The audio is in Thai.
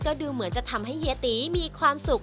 ก็ดูเหมือนจะทำให้เฮียตีมีความสุข